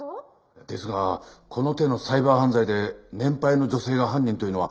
ですがこの手のサイバー犯罪で年配の女性が犯人というのは。